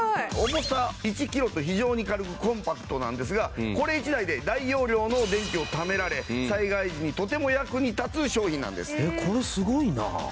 重さ１キロと非常に軽くコンパクトなんですがこれ１台で大容量の電気をためられ災害時にとても役に立つ商品なんです。